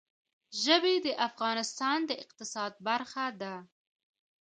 ژبې د افغانستان د اقتصاد برخه ده.